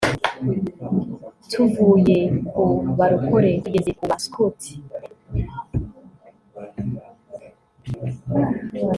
tuvuye ku barokore tugeze ku ba-scout